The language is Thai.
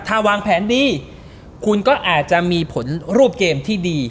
ถ้าวางแผนดีคุณก็อาจจะมีผลรูปเกมที่ดี